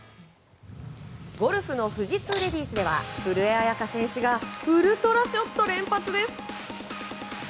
ゴルフの富士通レディースでは古江彩佳選手がウルトラショット連発です。